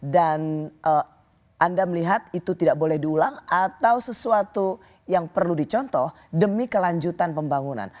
dan anda melihat itu tidak boleh diulang atau sesuatu yang perlu dicontoh demi kelanjutan pembangunan